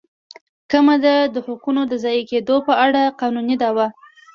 کمه د حقونو د ضایع کېدو په اړه قانوني دعوه.